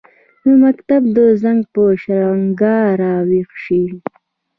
د مکتب د زنګ، په شرنګهار راویښ شي